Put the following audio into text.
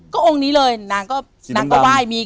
ก็องค์นี้เลยนางก็ว่าย